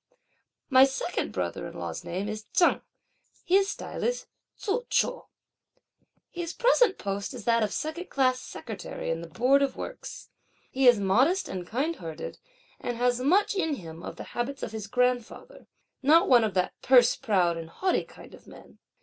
My second brother in law's name is Cheng, his style is Tzu chou. His present post is that of a Second class Secretary in the Board of Works. He is modest and kindhearted, and has much in him of the habits of his grandfather; not one of that purse proud and haughty kind of men.